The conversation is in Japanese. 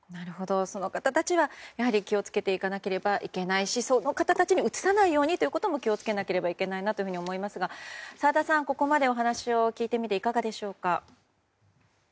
その方たちは気を付けていかなければいけないしその方たちにうつさないように気を付けなくてはいけないと思いますが澤田さん、ここまでお話を聞いてみていかがでしょうか。